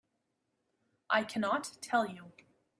I cannot tell you.